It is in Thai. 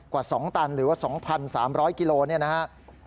กว่า๒ตันหรือว่า๒๓๐๐กิโลเนี่ยนะครับ